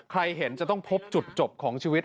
เห็นจะต้องพบจุดจบของชีวิต